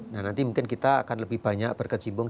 nah nanti mungkin kita akan lebih banyak berkecimpung